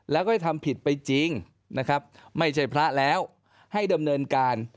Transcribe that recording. แล้วก็ให้ทำผิดไปจริงนะครับไม่ใช่พระแล้วให้ดำเนินการ